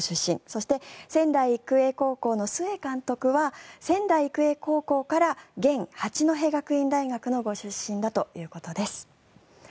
そして、仙台育英の須江監督は仙台育英高校から現八戸学園大学のご出身だということです。